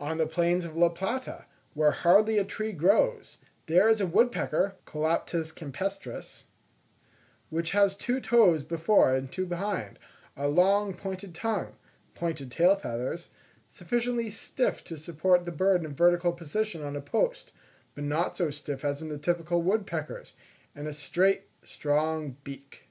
On the plains of La Plata, where hardly a tree grows, there is a woodpecker (Colaptes campestris) which has two toes before and two behind, a long pointed tongue, pointed tail feathers, sufficiently stiff to support the bird in a vertical position on a post, but not so stiff as in the typical wood peckers, and a straight, strong beak.